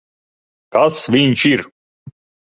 Kas viņš ir?